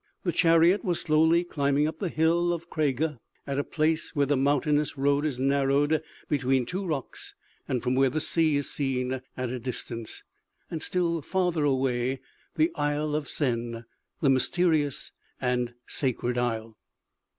The chariot was slowly climbing up the hill of Craig'h at a place where that mountainous road is narrowed between two rocks, and from where the sea is seen at a distance, and still farther away the Isle of Sen the mysterious and sacred isle.